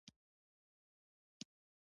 د کلي خلک په ګډه مړی ښخوي.